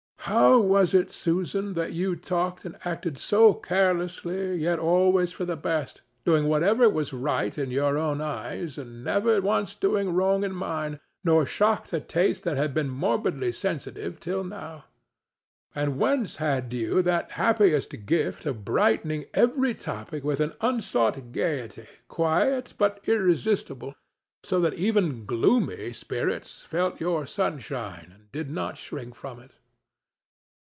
—How was it, Susan, that you talked and acted so carelessly, yet always for the best, doing whatever was right in your own eyes, and never once doing wrong in mine, nor shocked a taste that had been morbidly sensitive till now? And whence had you that happiest gift of brightening every topic with an unsought gayety, quiet but irresistible, so that even gloomy spirits felt your sunshine and did not shrink from it?